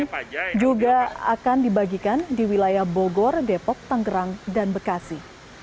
ini juga akan dibagikan di wilayah bogor depok tanggerang dan bekasi